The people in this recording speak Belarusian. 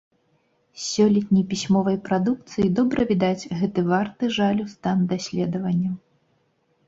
З сёлетняй пісьмовай прадукцыі добра відаць гэты варты жалю стан даследаванняў.